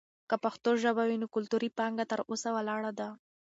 که پښتو ژبه وي، نو کلتوري پانګه تر اوسه ولاړه ده.